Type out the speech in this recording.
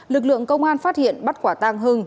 lực lượng công an phát hiện bắt quả tang hưng